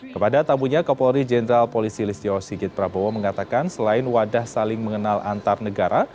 kepada tamunya kapolri jenderal polisi listio sigit prabowo mengatakan selain wadah saling mengenal antar negara